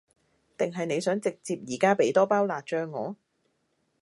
定係你想直接而家畀多包辣醬我？